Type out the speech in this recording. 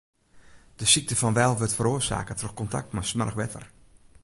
De sykte fan Weil wurdt feroarsake troch kontakt mei smoarch wetter.